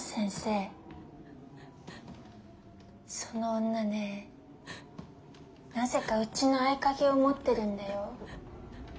その女ねなぜか家の合鍵を持ってるんだよ。